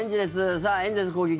さあ、エンゼルスの攻撃。